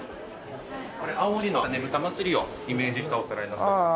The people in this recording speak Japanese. これ青森のねぶた祭をイメージしたお皿になっています。